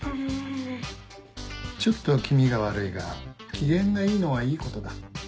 ちょっと気味が悪いが機嫌がいいのはいいことだ。